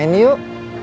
kita main yuk